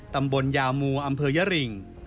ตำบลยามูอำเภยะริง